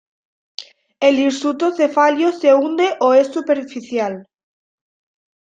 El hirsuto cefalio se hunde o es superficial.